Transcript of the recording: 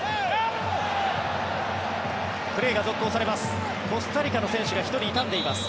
プレーが続行されます。